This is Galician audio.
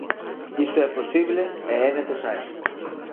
Iso é posible e é necesario.